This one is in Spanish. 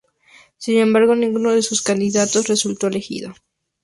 Sin embargo, ninguno de sus candidatos resultó elegido.